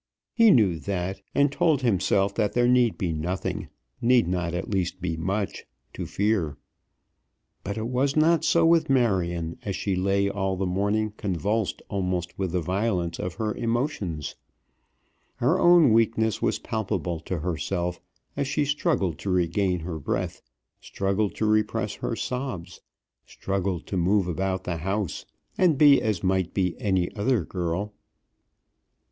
He knew that, and told himself that there need be nothing, need not at least be much, to fear. But it was not so with Marion as she lay all the morning convulsed almost with the violence of her emotions. Her own weakness was palpable to herself, as she struggled to regain her breath, struggled to repress her sobs, struggled to move about the house, and be as might be any other girl.